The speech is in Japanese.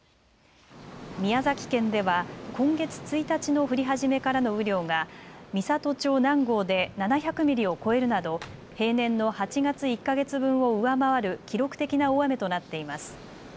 宮崎県では今月１日の降り始めからの雨量が美郷町南郷で７００ミリを超えるなど平年の８月１か月分を上回る記録的な大雨となっています。